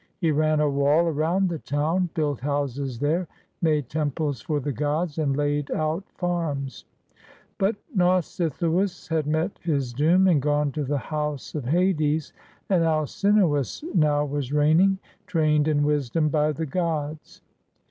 He ran a wall around the town, built houses there, made temples for the gods, and laid out farms ; but Nausithoiis had met his doom and gone to the house of Hades, and Alcinoiis now was reigning, trained in wisdom by the gods.